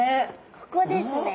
ここですね。